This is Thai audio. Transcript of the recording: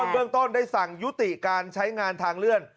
เบื้องต้นได้สั่งยุติการใช้งานทางเลื่อน